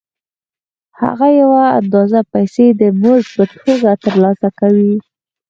هغه یوه اندازه پیسې د مزد په توګه ترلاسه کوي